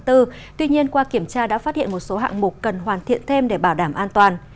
tuy nhiên qua kiểm tra đã phát hiện một số hạng mục cần hoàn thiện thêm để bảo đảm an toàn